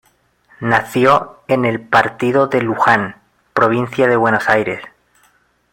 Nació en el partido de Luján, provincia de Buenos Aires.